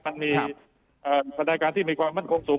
มันมีสถานการณ์ที่มีความมั่นคงสูง